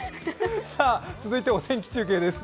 続いてお天気中継です。